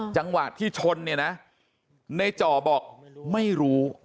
จังหวะที่ชนเนี่ยนะในจ่อบอกไม่รู้